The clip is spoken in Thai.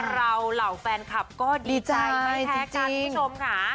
เหล่าแฟนคลับก็ดีใจไม่แพ้กันคุณผู้ชมค่ะ